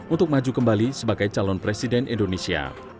untuk maju kembali sebagai calon presiden indonesia